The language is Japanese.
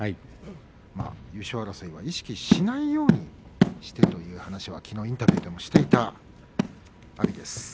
優勝争いは意識しないようにしているという話はきのうインタビューでもしていた阿炎です。